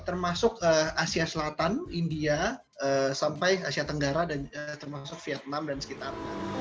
termasuk asia selatan india sampai asia tenggara dan termasuk vietnam dan sekitarnya